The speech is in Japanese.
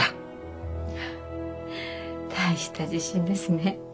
フッ大した自信ですね。